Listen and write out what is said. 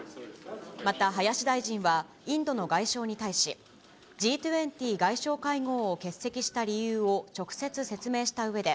また林大臣は、インドの外相に対し、Ｇ２０外相会合を欠席した理由を直接説明したうえで、